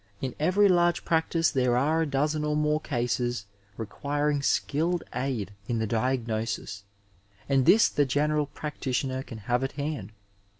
In every large practice there are a dozen or more cases requiring skilled aid in the diagnosis, and this the general practitioner can have at hand.